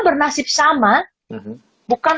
bernasib sama bukan